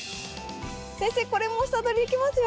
先生これも房どりできますよ。